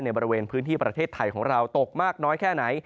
บริเวณพื้นที่ประเทศไทยของเราตกมากน้อยแค่ไหน